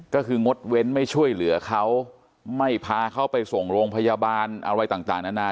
ก็คืองดเว้นไม่ช่วยเหลือเขาไม่พาเขาไปส่งโรงพยาบาลอะไรต่างนานา